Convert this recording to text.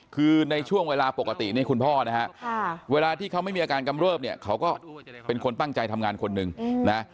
คือในช่วงเวลาปกตินี่คุณพ่อนะฮะเวลาที่เขาไม่มีอาการกำเริบเนี่ยเขาก็เป็นคนตั้งใจทำงานคนหนึ่งนะ